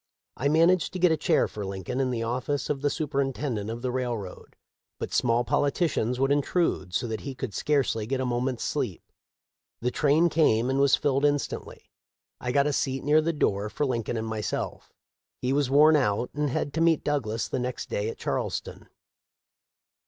I managed to get a chair for Lincoln in the office of the superintendent of the railroad, but small politicians would intrude so that he could scarcely get a moment's sleep. The train came and was filled instantly. I got a seat near the door for Lincoln and myself. He was worn out, and had to meet Douglas the next day at Charleston.